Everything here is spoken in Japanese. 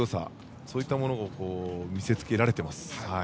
そういったものを見せつけられています。